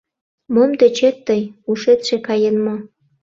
«Мом тӧчет тый, ушетше каен мо?